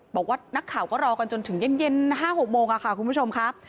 บอกว่านักข่าวก็รอกันจนถึงเย็น๕๖โมงค่ะคุณผู้ชมครับ